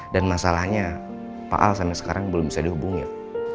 dan masalahnya pak al sampe sekarang belum bisa dihubungin